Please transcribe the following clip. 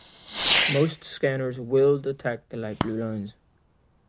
Most scanners "will" detect the light blue lines.